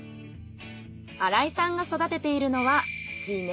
荒井さんが育てているのは自然薯。